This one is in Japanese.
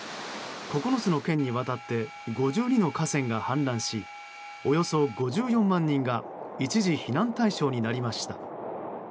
９つの県にわたって５２の河川が氾濫しおよそ５４万人が一時、避難対象になりました。